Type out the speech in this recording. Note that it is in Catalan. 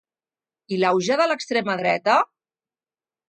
I l’auge de l’extrema dreta?